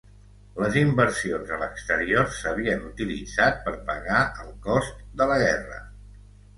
Les inversions a l'exterior s'havien utilitzat per pagar el cost de la guerra.